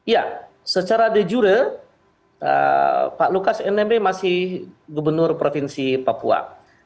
ya secara de jure pak lukas nmb masih gubernur provinsi papua